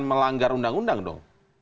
melanggar undang undang dong